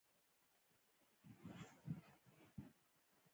معمولي او ایوپاک له دې طریقو څخه دي.